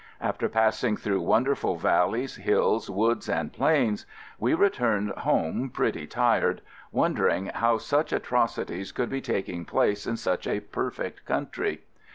After passing through wonderful valleys, hills, woods, and plains we returned home pretty tired — wondering how such atro cities could be taking place in such a perfect country.